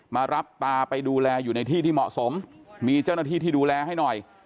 มารับตาไปดูแลอยู่ในที่ที่เหมาะสมมีเจ้าหน้าที่ที่ดูแลให้หน่อย